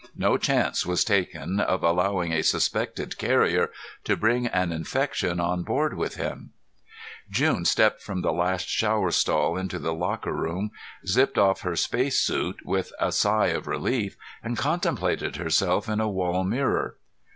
No chance was taken of allowing a suspected carrier to bring an infection on board with him. June stepped from the last shower stall into the locker room, zipped off her spacesuit with a sigh of relief, and contemplated herself in a wall mirror.